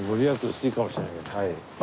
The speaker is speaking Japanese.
薄いかもしれないけどはい。